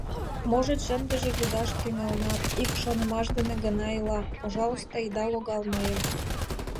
Можыч, ындыже лӱдаш тӱҥалынат, ик шонымаш дене гына ила: «Пожалуйста, ида логал мыйым.